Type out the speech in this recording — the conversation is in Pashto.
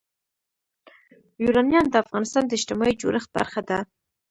یورانیم د افغانستان د اجتماعي جوړښت برخه ده.